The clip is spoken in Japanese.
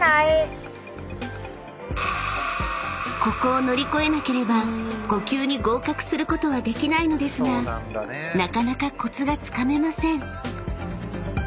［ここを乗り越えなければ５級に合格することはできないのですがなかなかコツがつかめません］